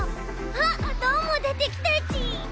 あっどーもでてきたち！